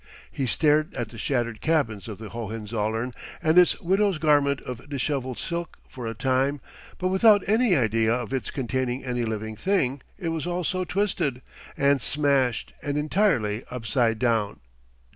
He stared at the shattered cabins of the Hohenzollern and its widow's garment of dishevelled silk for a time, but without any idea of its containing any living thing; it was all so twisted and smashed and entirely upside down.